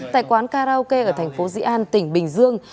tại quán karaoke ở tp di an tỉnh bình dương